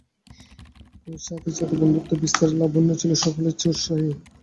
এই ছাতে ছাতে বন্ধুত্ব-বিস্তারে লাবণ্যই ছিল সকলের চেয়ে উৎসাহী।